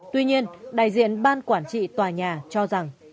tuy nhiên đại diện ban quản trị tòa nhà cho rằng